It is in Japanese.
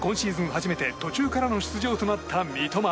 初めて途中からの出場となった三笘。